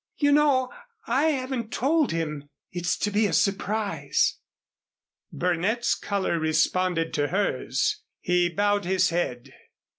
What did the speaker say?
You know I haven't told him. It's to be a surprise." Burnett's color responded to hers. He bowed his head.